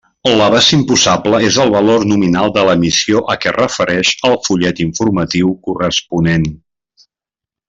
La base imposable és el valor nominal de l'emissió a què es refereix el fullet informatiu corresponent.